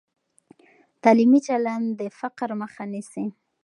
تعلیمي چلند د فقر مخه نیسي.